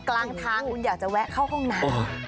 กลางทางคุณอยากจะแวะเข้าห้องน้ำ